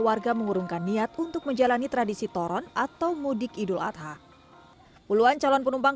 warga mengurungkan niat untuk menjalani tradisi toron atau mudik idul adha puluhan calon penumpang